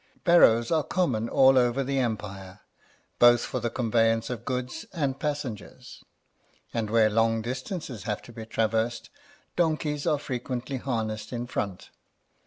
Barrows are common all over the Empire, both for the conveyance of goods and passengers; and where long distances have to be traversed, donkeys are frequently harnessed in front.